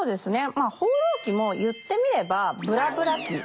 まあ「放浪記」も言ってみれば「ブラブラ記」ですね。